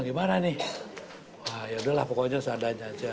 gimana nih wah yaudah lah pokoknya seandainya aja